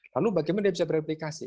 lalu bagaimana dia bisa bereplikasi